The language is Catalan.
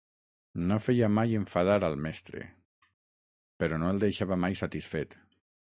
No feia mai enfadar al mestre, però no el deixava mai satisfet